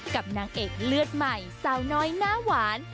นางเอกเลือดใหม่สาวน้อยหน้าหวาน